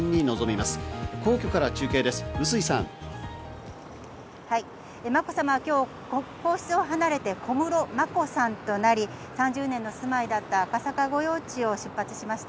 まこさまは今日、皇室を離れて、小室眞子さんとなり、３０年のお住まいだった赤坂御用地を出発しました。